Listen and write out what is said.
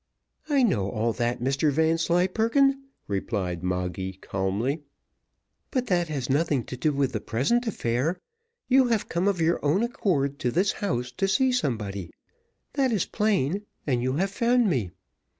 "I know all that, Mr Vanslyperken," replied Moggy, calmly; "but that has nothing to do with the present affair: you have come of your own accord to this house to see somebody, that is plain, and you have found me.